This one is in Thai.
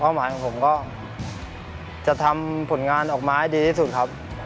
หมายของผมก็จะทำผลงานออกมาให้ดีที่สุดครับ